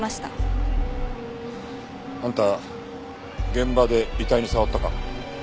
現場で遺体に触ったか？